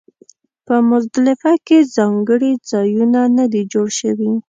په مزدلفه کې ځانګړي ځایونه نه دي جوړ شوي.